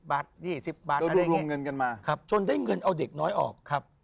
ก็รวมเงินกันมาจนได้เงินเอาเด็กน้อยออก